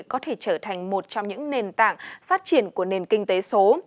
có thể trở thành một trong những nền tảng phát triển của nền kinh tế số